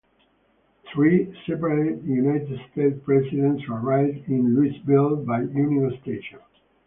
Three separate United States presidents arrived in Louisville by Union Station.